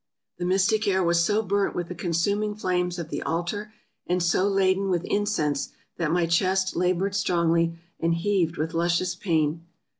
The mystic air was so burnt with the consuming flames of the altar, and so laden with incense, that my chest labored strongly and heaved with luscious pain.